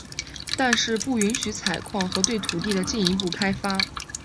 但是不允许采矿和对土地的进一步开发。